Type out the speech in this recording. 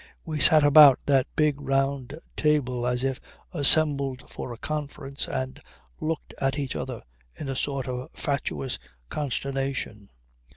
We sat about that big round table as if assembled for a conference and looked at each other in a sort of fatuous consternation.